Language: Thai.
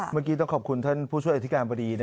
ผมเป็นผู้ช่วยอธิการพอดีนะครับ